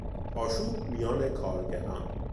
آشوب میان کارگران